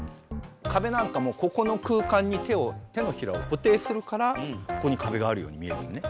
カベなんかもここの空間に手のひらを固定するからここにカベがあるように見えるよね。